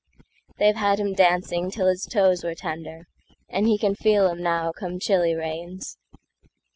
They've had him dancing till his toes were tender, And he can feel 'em now, come chilly rains.